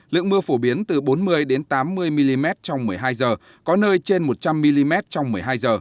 lượng mưa phổ biến từ bốn mươi tám mươi mm trong một mươi hai h có nơi trên một trăm linh mm trong một mươi hai h